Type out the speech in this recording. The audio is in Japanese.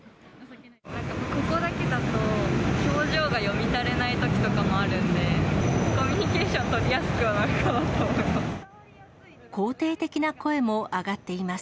ここだけだと表情が読み取れないときとかもあるので、コミュニケーション取りやすくはなるかなと思います。